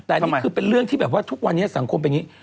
แต่นี่คือเป็นเรื่องที่แบบว่าทุกวันนี้สังคมเป็นอย่างนี้